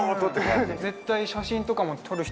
絶対写真とかも撮る人